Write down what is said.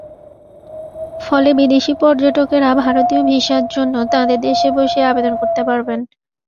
ফলে বিদেশি পর্যটকেরা ভারতীয় ভিসার জন্য তাঁদের দেশে বসেই আবেদন করতে পারবেন।